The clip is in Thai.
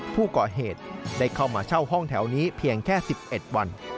ผู้ก่อเหตุได้เข้ามาเช่าห้องแถวนี้เพียงแค่๑๑วัน